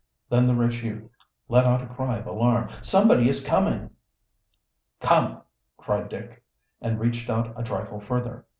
Then the rich youth let out a cry of alarm. "Somebody is coming!" "Come," cried Dick, and reached out a trifle further.